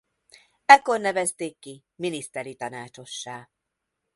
Ekkor nevezték ki miniszteri tanácsossá.